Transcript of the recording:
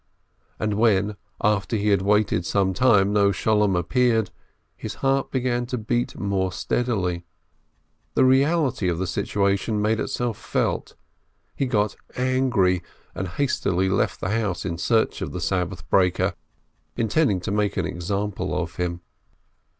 But when, after he had waited some time, no Sholem appeared, his heart began to beat more steadily, the reality of the situation made itself felt, he got angry, and hastily left the house in search of the Sabbath breaker, intending to make an example of him.